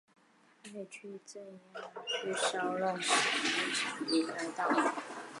派去镇压骚乱的士兵强迫市民离开道路。